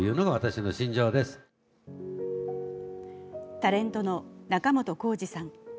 タレントの仲本工事さん。